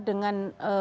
dengan potensi desa